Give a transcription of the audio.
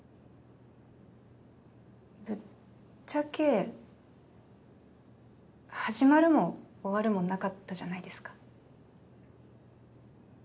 ぶっちゃけ始まるも終わるもなかったじゃないですか。